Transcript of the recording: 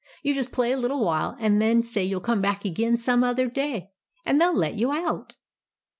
You just play a little while, and then say you '11 come back again some other day, and they '11 let you out."